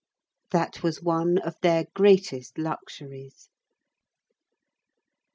That was one of their greatest luxuries.